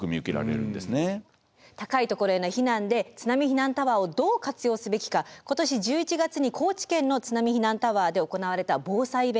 高いところへの避難で津波避難タワーをどう活用すべきか今年１１月に高知県の津波避難タワーで行われた防災イベントを取材しました。